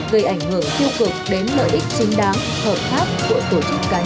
gây ảnh hưởng tiêu cực đến lợi ích chính đáng hợp pháp của tổ chức cá nhân